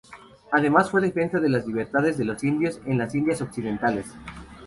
Además, fue defensora de las libertades de los indios en las Indias Occidentales.